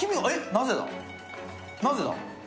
なぜだ？